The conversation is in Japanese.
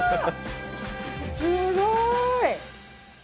すごい！